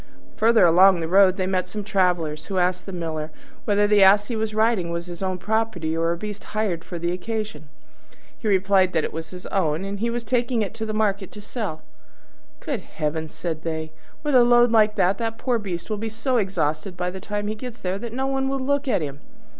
Further along the road they met some travellers, who asked the Miller whether the Ass he was riding was his own property, or a beast hired for the occasion. He replied that it was his own, and that he was taking it to market to sell. "Good heavens!" said they, "with a load like that the poor beast will be so exhausted by the time he gets there that no one will look at him.